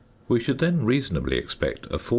We should then reasonably expect a 14 lb.